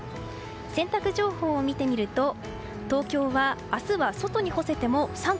洗濯情報を見てみると東京は明日は外に干せても△。